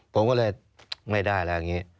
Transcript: ผมก็เลยไม่ได้แล้วอย่างนี้